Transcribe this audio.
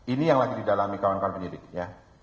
ini yang lagi didalami kawan kawan penyidik ya